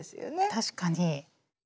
確かに。